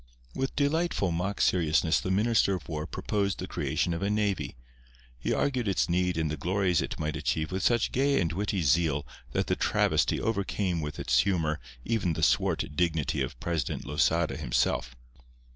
With delightful mock seriousness the Minister of War proposed the creation of a navy. He argued its need and the glories it might achieve with such gay and witty zeal that the travesty overcame with its humour even the swart dignity of President Losada himself.